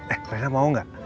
eh rena mau gak